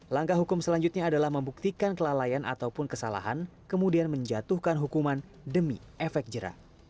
langkah hukum selanjutnya adalah membuktikan kelalaian ataupun kesalahan kemudian menjatuhkan hukuman demi efek jerah